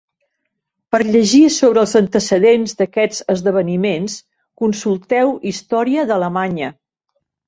Per llegir sobre els antecedents d'aquests esdeveniments, consulteu Història d'Alemanya.